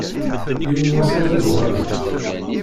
Yiwen n wass ad d-uɣalent.